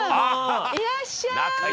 いらっしゃい。